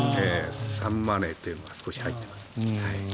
マネーというのが少し入っています。